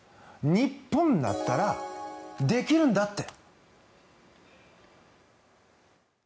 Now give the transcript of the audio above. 日本だったらできるんだって。